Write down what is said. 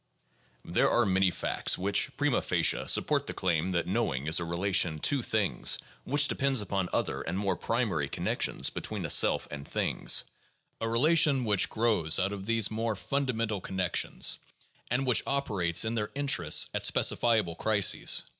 There are many facts which, prima facie, support the claim that knowing is a relation to things which depends upon other and more primary connections between a self and things; a relation which grows out of these more fundamental connections and which operates in their interests at specifiable crises.